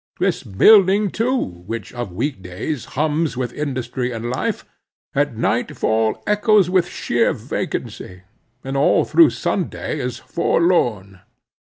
This building too, which of week days hums with industry and life, at nightfall echoes with sheer vacancy, and all through Sunday is forlorn.